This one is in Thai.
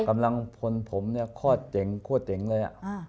กำลังพลผมเนี่ยคลอดเจ๋งคั่วเจ๋งเลย